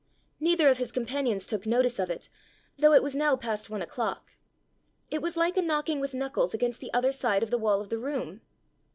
Neither of his companions took notice of it, though it was now past one o'clock. It was like a knocking with knuckles against the other side of the wall of the room.